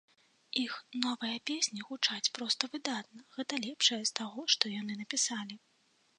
Іх новыя песні гучаць проста выдатна, гэта лепшае з таго, што яны напісалі.